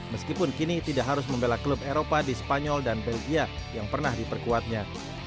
meskipun kini tidak harus membela klub eropa di spanyol dan belgia yang pernah diperkuatnya